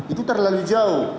itu terlalu jauh